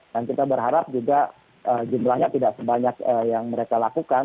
dan kita berharap juga jumlahnya tidak sebanyak yang mereka lakukan